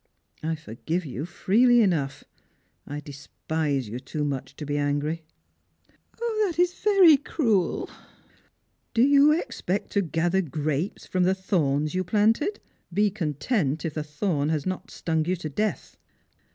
I forgive you freely enough. I despise you too much to be angry." Strangers and Pilgrims. 387 " O, that is very cruel !"" Do you expect to gather grapes from the thorns you pkxntud f Be content if the thorn has not stung you to death."